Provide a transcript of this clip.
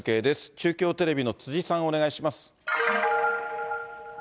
中京テレビの辻さん、お願いします。